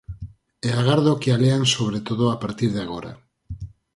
E agardo que a lean sobre todo a partir de agora.